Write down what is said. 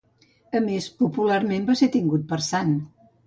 A més, popularment va ser tingut per sant.